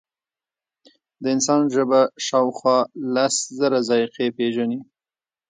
د انسان ژبه شاوخوا لس زره ذایقې پېژني.